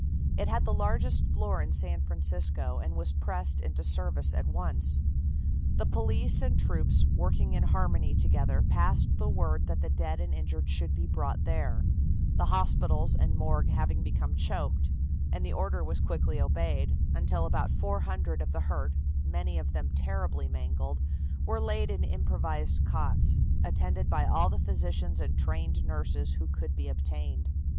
It had the largest floor in San Francisco, and was pressed into service at once. The police and the troops, working in harmony together, passed the word that the dead and injured should be brought there, the hospitals and morgue having become choked, and the order was quickly obeyed, until about 400 of the hurt, many of them terribly mangled, were laid in improvised cots, attended by all the physicians and trained nurses who could be obtained.